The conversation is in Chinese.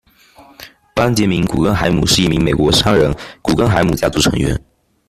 班杰明·古根海姆是一名美国商人，古根海姆家族成员。